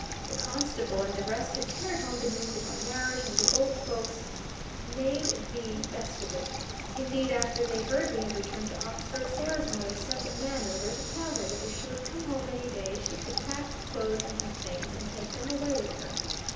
The constable, and the rest had carried home the news of our marriage, and the old folks made the best of it. Indeed, after they heard we had returned to Oxford, Sarah's mother sent a man over to tell her that if she would come home any day she could pack her clothes and other things, and take them away with her.